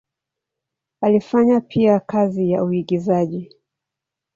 Alifanya pia kazi ya uigizaji.